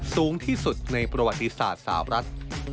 สูงที่สุดในประวัติศาสตร์สาวรัฐ